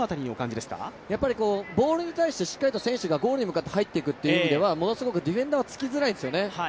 ボールに対してしっかりと選手がゴールに向かって入っていくという意味ではものすごくディフェンダーはつきづらいんですよね